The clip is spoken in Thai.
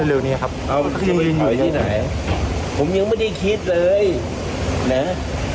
เร็วเร็วเนี้ยครับเอ้าถอยที่ไหนผมยังไม่ได้คิดเลยเนี้ย